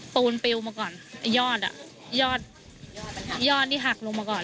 ปูนปิวมาก่อนไอ้ยอดอ่ะยอดยอดที่หักลงมาก่อน